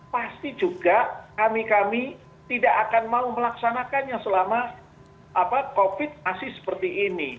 pasti juga kami kami tidak akan mau melaksanakannya selama covid masih seperti ini